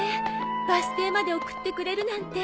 バス停まで送ってくれるなんて。